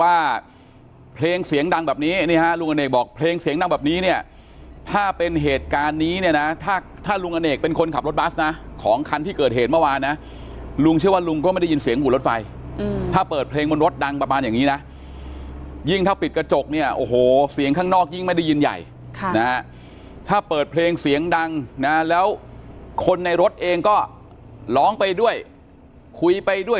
อันนี้เนี้ยน่ะถ้าถ้าลุงอเอกเป็นคนขับรถบัสน่ะของคันที่เกิดเห็นเมื่อวาน่ะลุงเชื่อว่าลุงก็ไม่ได้ยินเสียงหูรถไฟอืมถ้าเปิดเพลงบนรถดังประมาณอย่างงี้น่ะยิ่งถ้าปิดกระจกเนี้ยโอ้โหเสียงข้างนอกยิ่งไม่ได้ยินใหญ่ค่ะน่ะถ้าเปิดเพลงเสียงดังน่ะแล้วคนในรถเองก็ร้องไปด้วยคุยไปด้วย